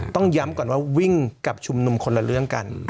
ต้องย้ำก่อนว่าวิ่งกับชุมนุมคนละเรื่องกัน